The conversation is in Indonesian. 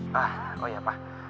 pak oh ya pak